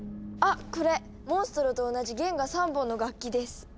あっこれモンストロと同じ弦が３本の楽器です。